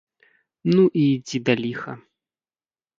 Ну, і ідзі да ліха!